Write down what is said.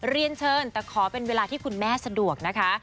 เรียนเชิญแต่ขอเป็นเวลาที่คุณแม่สะดวกนะคะ